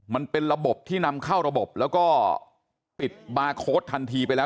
มันเป็นระบบที่นำเข้าระบบแล้วก็ปิดบาร์โค้ดทันทีไปแล้ว